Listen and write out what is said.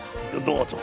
どうぞ。